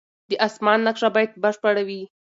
د اسمان نقشه باید بشپړه وي.